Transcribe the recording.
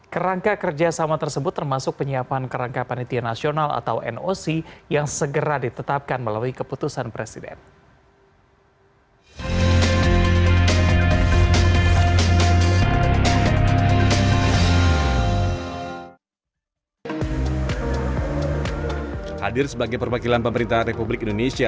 kerangka kerjasama tersebut termasuk penyiapan kerangka panitia nasional atau noc yang segera ditetapkan melalui keputusan presiden